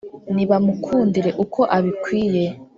nibamukundire uko abikwiye